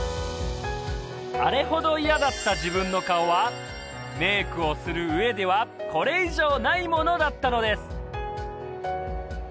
あれほどイヤだった自分の顔はメイクをする上ではこれ以上ないものだったのですＧＹＵＴＡＥ